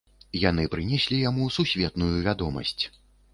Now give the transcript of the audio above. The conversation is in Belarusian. Яны прынеслі яму сусветную вядомасць.